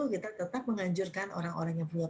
kita tetap menganjurkan orang orang yang punya